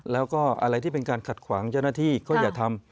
แล้วก็อะไรที่เป็นการขัดขวางเจ้าหน้าที่ก็อย่าทำ